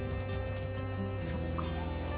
そっか。